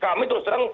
kami terus terang